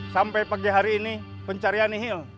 sampai pagi hari ini pencarian nihil